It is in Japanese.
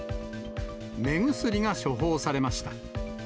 目薬が処方されました。